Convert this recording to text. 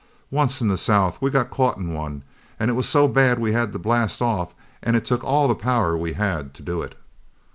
Once, in the south, we got caught in one, and it was so bad we had to blast off. And it took all the power we had to do it!"